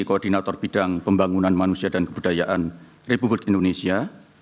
koordinator bidang pembangunan manusia dan kebudayaan republik indonesia